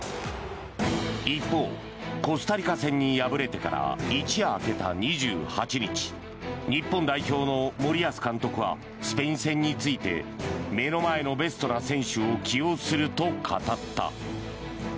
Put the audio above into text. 一方、コスタリカ戦に敗れてから一夜明けた２８日日本代表の森保監督はスペイン戦について目の前のベストな選手を起用すると語った。